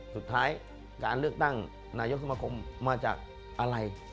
สุดท้ายการเลือกตั้งนายกสมคมมาจากอะไร